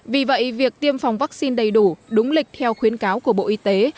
vì vậy việc tiêm phòng vaccine đầy đủ đúng lịch theo khuyến cáo của bộ y tế